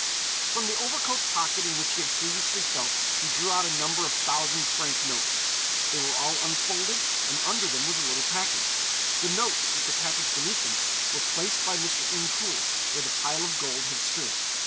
From the overcoat pocket, in which he had previously felt, he drew out a number of thousand franc notes; they were all unfolded, and under them was a little package. The notes, with the package beneath them, were placed by Mr. Incoul where the pile of gold had stood.